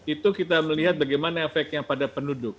itu kita melihat bagaimana efeknya pada penduduk